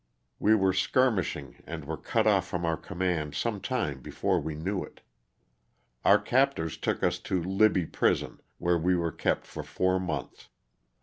We were skirmishing and were cut off from our command some time before we knew it. Our captors took us to Libby prison, where we were kept for four months.